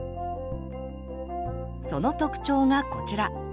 その特徴がこちら。